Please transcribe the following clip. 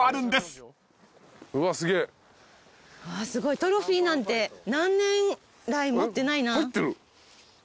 トロフィーなんて何年来持ってないな。